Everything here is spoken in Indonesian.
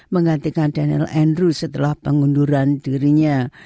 menggantikan daniel andrew setelah pengunduran dirinya